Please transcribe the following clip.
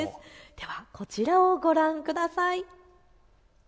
ではこちらをご覧ください。